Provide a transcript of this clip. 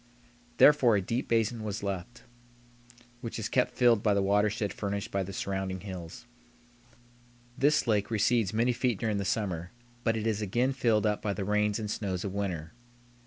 Therefore a deep basin was left, which is kept filled by the watershed furnished by the surrounding hills. This lake recedes many feet during the summer, but it is again filled up by the rains and snows of winter.